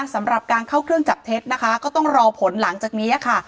สำหรับการเข้าเครื่องจับเท็จนะคะก็ต้องรอผลหลังจากนี้ค่ะ